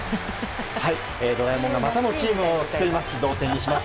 ドラえもんがまたもチームを救います。